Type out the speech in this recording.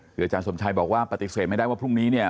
คืออาจารย์สมชัยบอกว่าปฏิเสธไม่ได้ว่าพรุ่งนี้เนี่ย